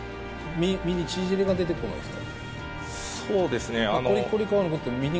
身に縮れが出てこないですか？